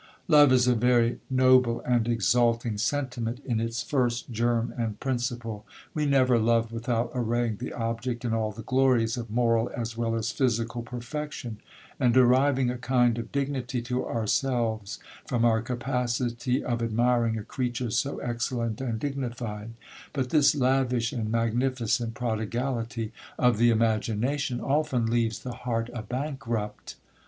'Love is a very noble and exalting sentiment in its first germ and principle. We never love without arraying the object in all the glories of moral as well as physical perfection, and deriving a kind of dignity to ourselves from our capacity of admiring a creature so excellent and dignified; but this lavish and magnificent prodigality of the imagination often leaves the heart a bankrupt.